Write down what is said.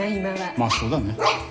まぁそうだね。